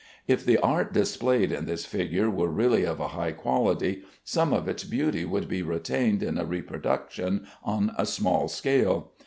If the art displayed in this figure were really of a high quality, some of its beauty would be retained in a reproduction on a small scale.